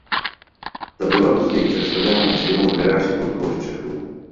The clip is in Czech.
Ta byla později přestavěna na zděnou garáž s pultovou střechou.